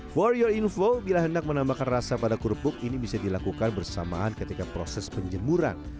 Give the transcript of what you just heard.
for your info bila hendak menambahkan rasa pada kerupuk ini bisa dilakukan bersamaan ketika proses penjemuran